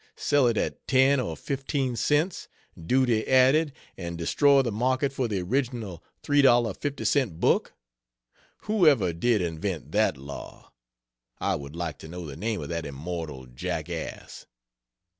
Sell it at ten or fifteen cents duty added and destroy the market for the original $3,50 book? Who ever did invent that law? I would like to know the name of that immortal jackass.